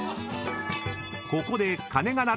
［ここで］